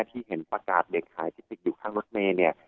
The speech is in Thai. ที่เห็นประกาศเด็กหายที่ติดอยู่ข้างรถเมย์เนี่ย